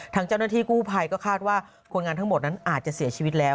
ทางเจ้าหน้าที่กู้ภัยก็คาดว่าคนงานทั้งหมดนั้นอาจจะเสียชีวิตแล้ว